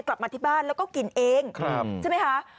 กลับมาที่บ้านแล้วก็กินเองใช่ไหมคะ